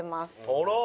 あら！